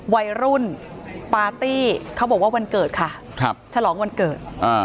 วัยรุ่นปาร์ตี้เขาบอกว่าวันเกิดค่ะฉลองวันเกิด